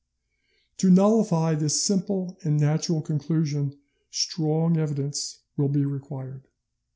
To nullify this simple and natural conclusion strong evidence will be required.